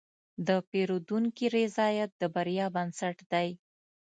د پیرودونکي رضایت د بریا بنسټ دی.